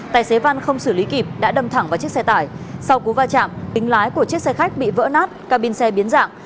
tài xế văn không xử lý kịp đã đâm thẳng vào chiếc xe tải sau cú va chạm kính lái của chiếc xe khách bị vỡ nát cabin xe biến dạng